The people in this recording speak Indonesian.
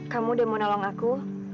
kamu udah mau nolong aku